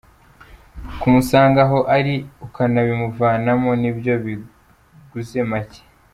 Kumusanga aho ari rero ukabimuvanamo nibyo biguze make.